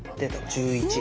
１１。